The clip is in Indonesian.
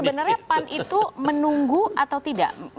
sebenarnya pan itu menunggu atau tidak